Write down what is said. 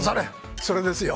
それです！